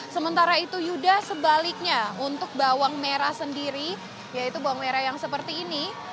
sementara itu yuda sebaliknya untuk bawang merah sendiri yaitu bawang merah yang seperti ini